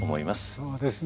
そうですね。